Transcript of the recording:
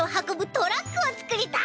トラックをつくりたい！